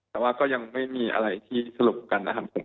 แต่ว่าก็ยังไม่มีอะไรที่สรุปกัน